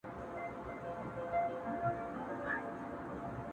سترگي كه نور هيڅ نه وي خو بيا هم خواخوږي ښيي ـ